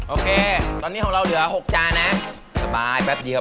โอเคตอนนี้ของเราเหลือ๖จานนะสบายแป๊บเดียว